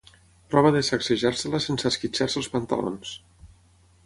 Prova de sacsejar-se-la sense esquitxar-se els pantalons.